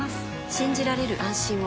信じられる、安心を。